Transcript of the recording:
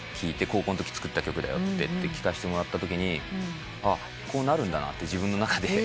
「高校のとき作った曲だよ」って聞かせてもらったときに「あっこうなるんだな」って自分の中で。